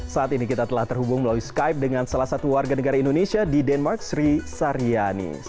saat ini kita telah terhubung melalui skype dengan salah satu warga negara indonesia di denmark sri saryani